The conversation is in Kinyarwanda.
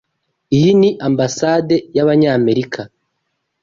Iyi ni Ambasade y'Abanyamerika.